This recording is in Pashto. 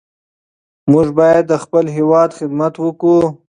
موږ باید د خپل هېواد خدمت وکړو.